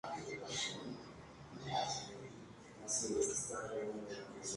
Actualmente ayuda a describir parte de la cocina catalana del momento.